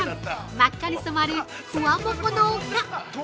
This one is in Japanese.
真っ赤に染まるフワモコの丘。